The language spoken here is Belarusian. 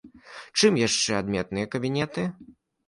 Чым яшчэ адметныя кабінеты?